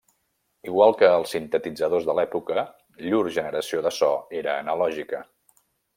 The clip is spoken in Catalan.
Igual que els sintetitzadors de l'època llur generació de so era analògica.